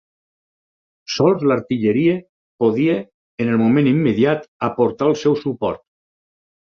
Sols l'artilleria podia, en el moment immediat, aportar el seu suport.